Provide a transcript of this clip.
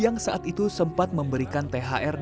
yang saat itu sempat memberikan kata kata bahwa bah minto sehat